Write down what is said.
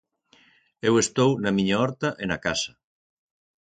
Eu estou na miña horta e na casa.